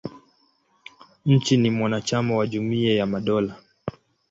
Nchi ni mwanachama wa Jumuia ya Madola.